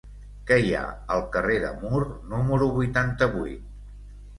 Què hi ha al carrer de Mur número vuitanta-vuit?